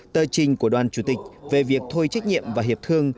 tờ trình của đoàn chủ tịch về việc thôi trách nhiệm và hiệp thương